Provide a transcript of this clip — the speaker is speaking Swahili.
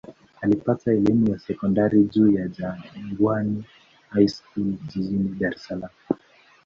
Alipata elimu ya sekondari ya juu Jangwani High School jijini Dar es Salaam.